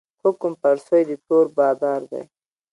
حکم پر سوی د تور بادار دی